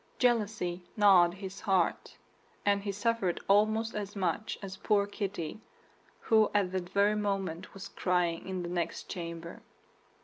Jealousy gnawed his heart; and he suffered almost as much as poor Kitty, who at that very moment was crying in the next chamber.